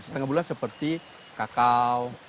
setengah bulan seperti kakao